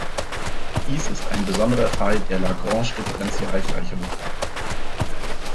Dies ist ein besonderer Fall der Lagrange-Differentialgleichung.